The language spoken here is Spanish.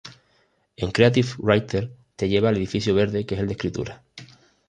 En Creative Writer, te lleva al edificio verde que es el de escritura.